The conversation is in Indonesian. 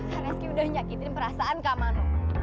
kak rezki udah nyakitin perasaan kak mano